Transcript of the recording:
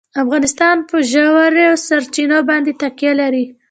افغانستان په ژورې سرچینې باندې تکیه لري.